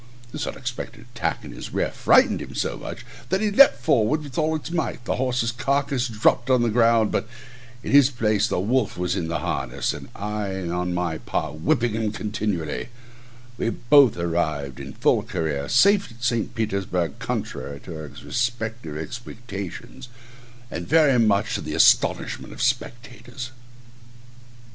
This unexpected attack in his rear frightened him so much, that he leaped forward with all his might: the horse's carcase dropped on the ground, but in his place the wolf was in the harness, and I on my part whipping him continually: we both arrived in full career safe at St. Petersburg, contrary to our respective expectations, and very much to the astonishment of the spectators.